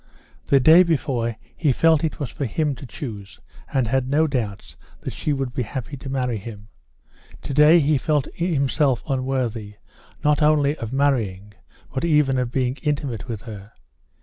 The day before he felt it was for him to choose, and had no doubts that she would be happy to marry him; to day he felt himself unworthy not only of marrying, but even of being intimate with her.